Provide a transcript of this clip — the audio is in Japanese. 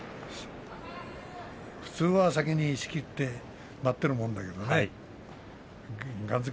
普通は先に仕切って待っているもんだけどね。